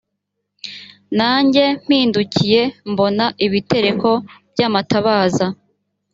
nanjye mpindukiye mbona ibitereko by amatabaza